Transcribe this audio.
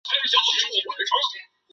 蜀汉沿袭东汉之制。